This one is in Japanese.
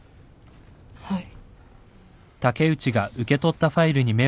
はい。